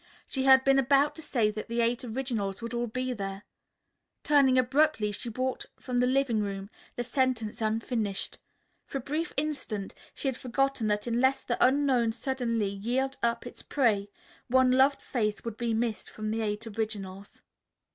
She had been about to say that the Eight Originals would all be there. Turning abruptly she walked from the living room, the sentence unfinished. For a brief instant she had forgotten that unless the unknown suddenly yielded up its prey, one loved face would be missing from the Eight Originals.